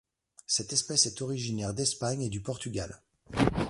Cette espèce est originaire d'Espagne et du Portugal.